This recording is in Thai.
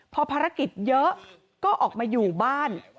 พอภารกิจเยอะก็ออกมาอยู่บ้าน